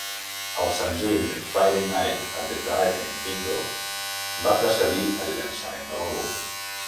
El senzill "Friday Night at the Drive-in Bingo" va precedir el llançament de l'àlbum.